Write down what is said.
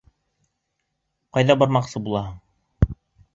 — Ҡайҙа бармаҡсы булаһың?